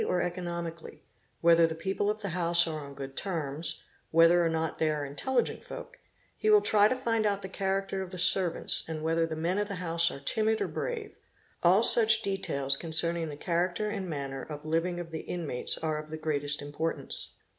THEFT or economically, whether the people of the house are on good terms, whether or not they are intelligent folk; he will try to find out the character of the servants and whether the men of the house are timid or brave; all such details concerning the character and manner of living of the inmates are of the greatest importance.